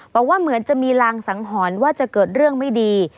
บอกว่าเหมือนจะมีรางสังหรณ์ว่าจะเกิดเรื่องไม่ดี